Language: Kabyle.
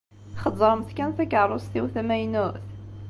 Xezzṛemt kan takeṛṛust-iw tamaynut.